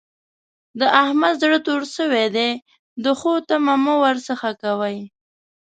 د احمد زړه تور شوی دی؛ د ښو تمه مه ور څځه کوئ.